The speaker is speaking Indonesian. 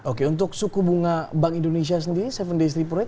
oke untuk suku bunga bank indonesia sendiri tujuh days reprote